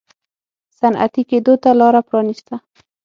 صنعتي کېدو ته لار پرانېسته.